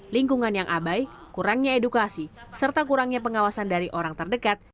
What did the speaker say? lingkungan yang abai kurangnya edukasi serta kurangnya pengawasan dari orang terdekat